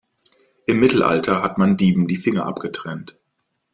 Im Mittelalter hat man Dieben die Finger abgetrennt.